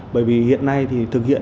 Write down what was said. bởi vì hiện nay thì thực hiện